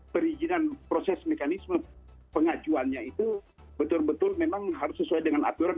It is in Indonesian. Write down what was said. perizinan proses mekanisme pengajuannya itu betul betul memang harus sesuai dengan aturan